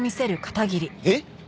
えっ？